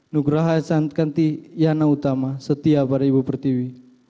nugraha santi yana utama setia pada ibu pertiwi